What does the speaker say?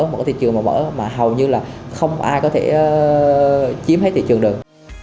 một cái thị trường mậu mỡ mà hầu như là không ai có thể chiếm hết thị trường được